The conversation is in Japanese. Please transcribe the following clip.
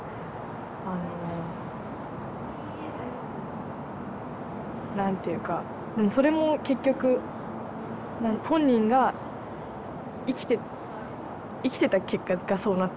あの何ていうかそれも結局本人が生きて生きてた結果がそうなったっていうか。